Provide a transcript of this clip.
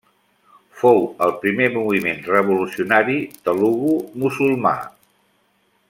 Fou el primer moviment revolucionari telugu musulmà.